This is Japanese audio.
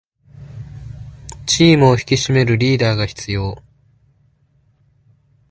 チームを引き締めるリーダーが必要